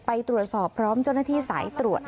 ไปตรวจสอบพร้อมจุดเนื้อที่ใส่ตรวจ